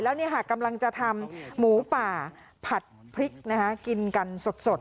แล้วเนี่ยค่ะกำลังจะทำหมูป่าผัดพริกนะคะกินกันสดค่ะ